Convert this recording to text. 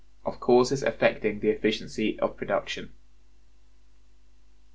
Of Causes Affecting The Efficiency Of Production.